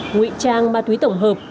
nguy trang ma túy tổng hợp